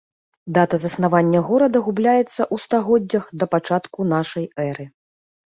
Дата заснавання горада губляецца ў стагоддзях да пачатку нашай эры.